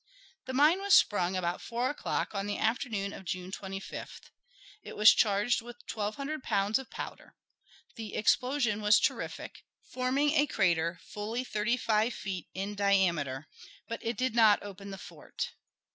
The mine was sprung about four o'clock on the afternoon of June 25th. It was charged with twelve hundred pounds of powder. The explosion was terrific, forming a crater fully thirty five feet in diameter, but it did not open the fort.